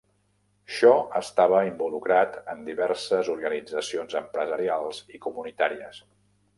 Shaw estava involucrat en diverses organitzacions empresarials i comunitàries.